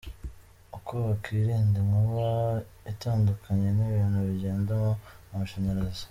Uko wakwirinda inkuba Itandukanye n’ibintu bigendamo amashanyarazi